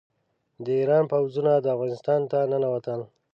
د ایران پوځونه افغانستان ته ننوتل.